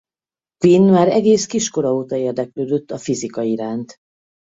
Quinn már egész kis kora óta érdeklődött a fizika iránt.